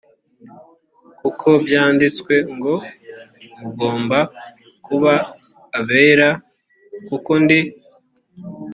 kuko byanditswe ngo mugomba kuba abera kuko ndi